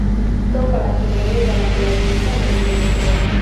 soka la kingereza la kulazimisha limepotea